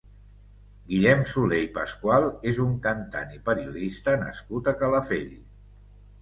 Guillem Solé i Pascual és un cantant i periodista nascut a Calafell.